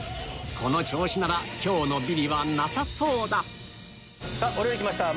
この調子なら今日のビリはなさそうだお料理来ました